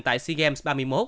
tại sea games ba mươi một